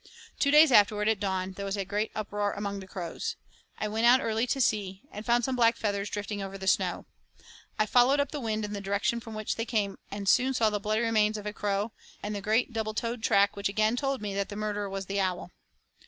Two days afterward, at dawn, there was a great uproar among the crows. I went out early to see, and found some black feathers drifting over the snow. I followed up the wind in the direction from which they came and soon saw the bloody remains of a crow and the great double toed track which again told me that the murderer was the owl.